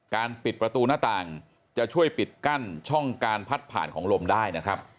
ปิดประตูหน้าต่างจะช่วยปิดกั้นช่องการพัดผ่านของลมได้นะครับ